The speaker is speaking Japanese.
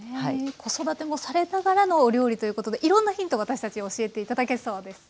子育てもされながらのお料理ということでいろんなヒント私たち教えて頂けそうです。